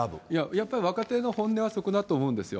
やっぱり若手の本音はそこだと思うんですよ。